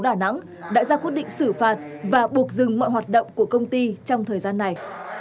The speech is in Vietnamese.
đã ra quyết định xử phạt và buộc dừng mọi hoạt động của công ty trong thời gian này